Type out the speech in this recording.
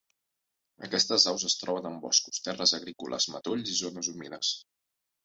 Aquestes aus es troben en boscos, terres agrícoles, matolls i zones humides.